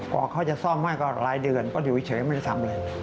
กว่าเขาจะซ่อมให้ก็รายเดือนก็อยู่เฉยไม่ได้ทำอะไร